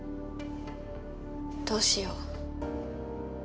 どうしよう？